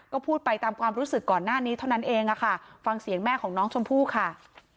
ก็พูดไปตามความรู้สึกก่อนหน้านี้เท่านั้นเองค่ะฟังเสียงแม่ของน้องชมพู่ค่ะ